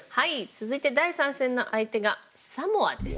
続いて第３戦の相手がサモアです。